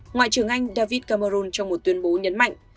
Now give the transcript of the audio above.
ngoại trưởng anh david cameron trong một tuyên bố nhấn mạnh